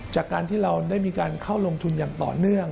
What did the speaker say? จากการที่เราได้มีการเข้าลงทุนอย่างต่อเนื่อง